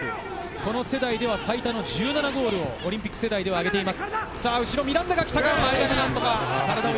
この世代では最多１７ゴールをオリンピック世代では上げています。